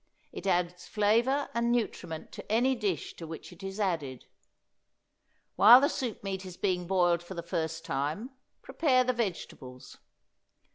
It adds flavor and nutriment to any dish to which it is added. While the soup meat is being boiled for the first time, prepare the vegetables.